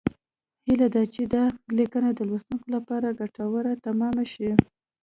هیله ده چې دا لیکنه د لوستونکو لپاره ګټوره تمامه شي